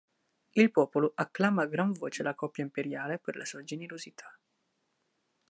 Il popolo acclama a gran voce la coppia imperiale per la sua generosità.